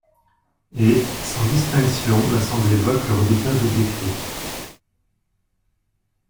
Et, sans discussion, l'Assemblée vote le redoutable décret.